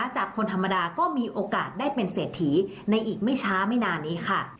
จากคนธรรมดาก็มีโอกาสได้เป็นเศรษฐีในอีกไม่ช้าไม่นานนี้ค่ะ